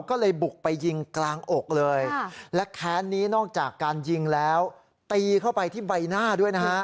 ก็เลยบุกไปยิงกลางอกเลยและแค้นนี้นอกจากการยิงแล้วตีเข้าไปที่ใบหน้าด้วยนะฮะ